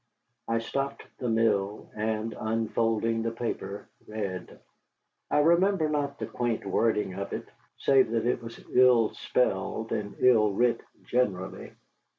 I stopped the mill, and, unfolding the paper, read. I remember not the quaint wording of it, save that it was ill spelled and ill writ generally.